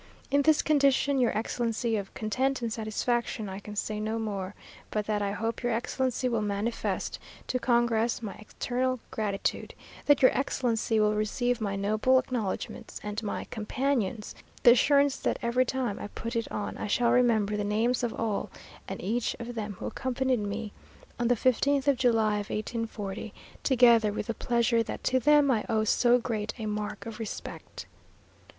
"In this condition, your Excellency, of content and satisfaction, I can say no more, but that I hope your Excellency will manifest to congress my eternal gratitude; that your Excellency will receive my noble acknowledgments, and my companions the assurance that every time I put it on I shall remember the names of all and each of them who accompanied me on the 15th of July of 1840, together with the pleasure that to them I owe so great a mark of respect."